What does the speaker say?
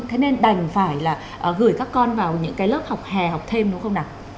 thế nên đành phải là gửi các con vào những lớp học hè học thêm đúng không nào